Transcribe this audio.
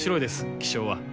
気象は。